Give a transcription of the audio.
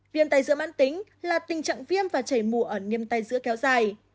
viêm tai dữa mạng tính là tình trạng viêm và chảy mù ở niêm tai dữa kéo dài